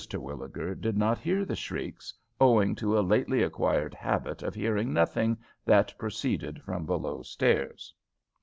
Terwilliger did not hear the shrieks, owing to a lately acquired habit of hearing nothing that proceeded from below stairs.